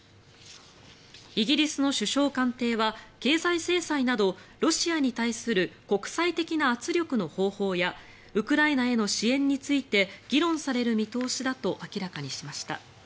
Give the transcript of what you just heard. イギリスの首相官邸は経済制裁などロシアに対する国際的な圧力の方法やウクライナへの支援について議論される見通しだと明らかにしました。